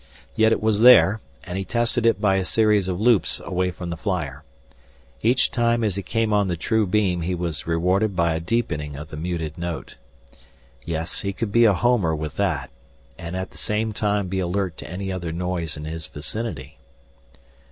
Yet it was there, and he tested it by a series of loops away from the flyer. Each time as he came on the true beam he was rewarded by a deepening of the muted note. Yes, he could be a homer with that, and at the same time be alert to any other noise in his vicinity.